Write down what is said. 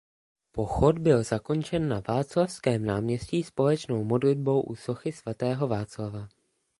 Pochod byl zakončen na Václavském náměstí společnou modlitbou u sochy svatého Václava.